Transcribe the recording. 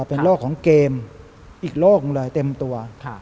เป็นโลกของเกมอีกโลกหนึ่งเลยเต็มตัว